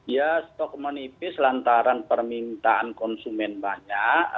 ya stok menipis lantaran permintaan konsumen banyak